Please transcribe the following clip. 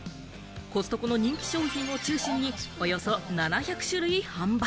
コストコの人気商品を中心におよそ７００種類販売。